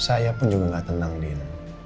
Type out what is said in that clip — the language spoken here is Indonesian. saya pun juga gak tenang dia